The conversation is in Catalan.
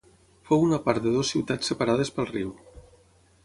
Fou una part de dues ciutats separades pel riu.